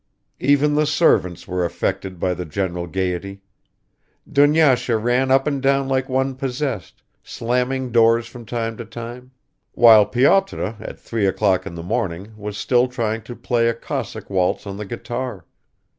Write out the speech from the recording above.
Even the servants were affected by the general gaiety. Dunyasha ran up and down like one possessed, slamming doors from time to time; while Pyotr at three o'clock in the morning was still trying to play a Cossack waltz on the guitar.